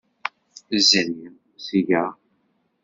Zri seg-a.